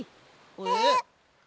えっ？